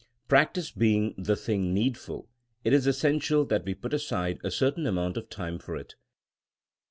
Practice being the thing needful, it is essential that we put aside a certain amount of time for it.